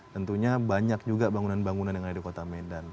tentunya banyak juga bangunan bangunan yang ada di kota medan